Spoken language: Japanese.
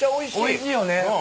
おいしいよね。